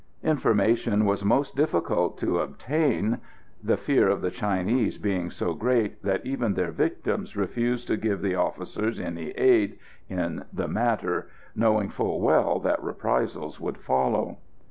Information was most difficult to obtain, the fear of the Chinese being so great that even their victims refused to give the officers any aid in the matter, knowing full well that reprisals would follow.